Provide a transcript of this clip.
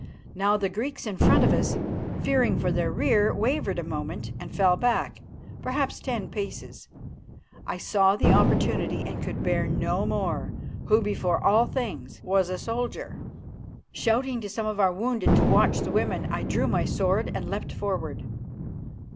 Now the Greeks in front of us, fearing for their rear, wavered a moment and fell back, perhaps, ten paces. I saw the opportunity and could bear no more, who before all things was a soldier. Shouting to some of our wounded to watch the women, I drew my sword and leapt forward.